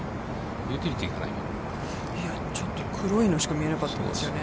ちょっと黒いのしか見えなかったですよね。